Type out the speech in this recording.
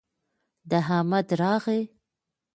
د احمد راغى